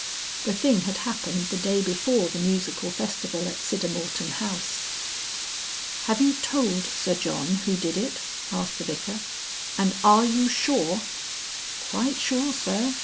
The thing had happened the day before the musical festival at Siddermorton House. "Have you told Sir John who did it?" asked the Vicar. "And are you sure?" "Quite sure, Sir.